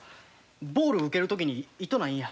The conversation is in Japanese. ボール受ける時に痛ないんや。